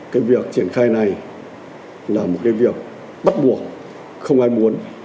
cái việc triển khai này là một cái việc bắt buộc không ai muốn